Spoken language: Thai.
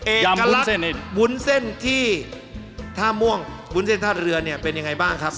ยำวุ้นเส้นวุ้นเส้นที่ท่าม่วงวุ้นเส้นท่าเรือเนี่ยเป็นยังไงบ้างครับ